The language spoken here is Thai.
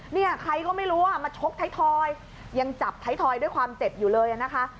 เนี่ยใครก็ไม่รู้อ่ะมาชกไทยทอยยังจับท้ายทอยด้วยความเจ็บอยู่เลยนะคะ